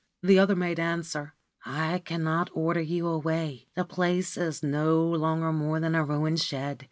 The other made answer :* I cannot order you away. This place is no longer more than a ruined shed.